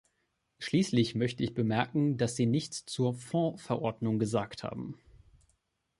Schließlich möchte ich bemerken, dass Sie nichts zur Fondsverordnung gesagt haben.